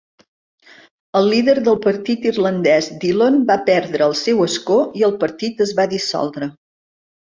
El líder del partit irlandès, Dillon, va perdre el seu escó i el partit es va dissoldre.